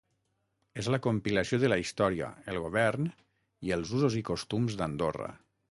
És la compilació de la història, el govern i els usos i costums d'Andorra.